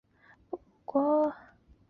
人人有权享有生命、自由和人身安全。